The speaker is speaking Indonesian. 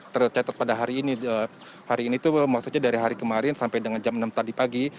tercatat pada hari ini hari ini itu maksudnya dari hari kemarin sampai dengan jam enam tadi pagi